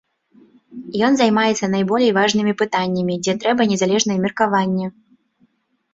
Ён займаецца найболей важнымі пытаннямі, дзе трэба незалежнае меркаванне.